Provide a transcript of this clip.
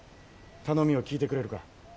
頼みを聞いてくれるか？